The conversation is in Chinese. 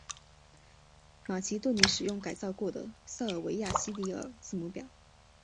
马其顿语使用改造过的塞尔维亚西里尔字母表。